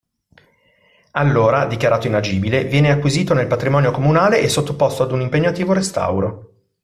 Allora, dichiarato inagibile, viene acquisito nel patrimonio comunale e sottoposto ad un impegnativo restauro.